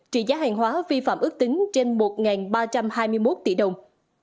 trị giá hàng hóa vi phạm ước tính trên một ba trăm hai mươi một tỷ đồng